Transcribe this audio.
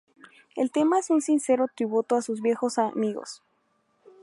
El tema es un sincero tributo a sus viejos amigos.